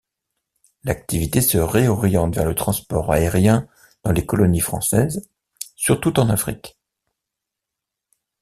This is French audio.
L’activité se réoriente vers le transport aérien dans les colonies françaises, surtout en Afrique.